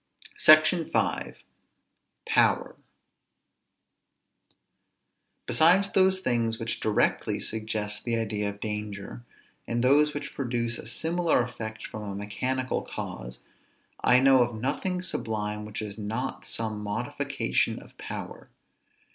SECTION V. POWER. Besides those things which directly suggest the idea of danger, and those which produce a similar effect from a mechanical cause, I know of nothing sublime, which is not some modification of power.